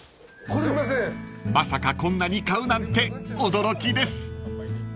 ［まさかこんなに買うなんて驚きです］